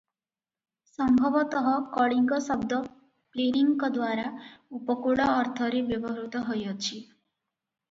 ସମ୍ଭବତଃ କଳିଙ୍ଗ ଶବ୍ଦ ପ୍ଳିନିଙ୍କଦ୍ୱାରା ଉପକୂଳ ଅର୍ଥରେ ବ୍ୟବହୃତ ହୋଇଅଛି ।